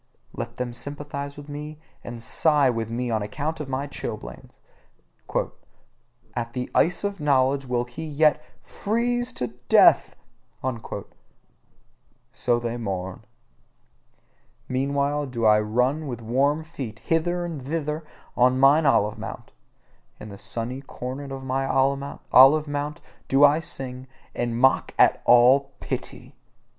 Let them sympathise with me and sigh with me on account of my chilblains: "At the ice of knowledge will he yet FREEZE TO DEATH!" so they mourn. Meanwhile do I run with warm feet hither and thither on mine olive mount: in the sunny corner of mine olive mount do I sing, and mock at all pity.